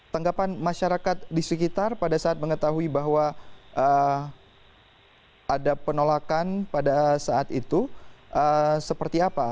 tanggapan masyarakat di sekitar pada saat mengetahui bahwa ada penolakan pada saat itu seperti apa